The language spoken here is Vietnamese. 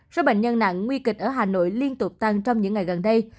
số bệnh nhân nặng nguy kịch ở hà nội liên tục tăng trong những ngày gần đây